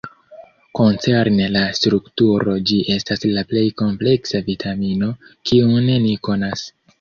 Koncerne la strukturo ĝi estas la plej kompleksa vitamino kiun ni konas.